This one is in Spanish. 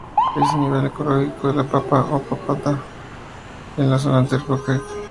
Es el nivel ecológico de la papa o patata, en la zona intertropical.